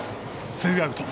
ツーアウト。